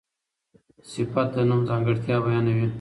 صفت د نوم ځانګړتیا بیانوي.